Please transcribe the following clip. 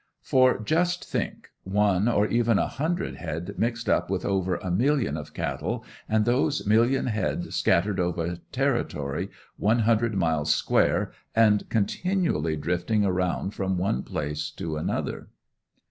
For just think, one, or even a hundred head mixed up with over a million of cattle, and those million head scattered over a territory one hundred miles square and continually drifting around from one place to another.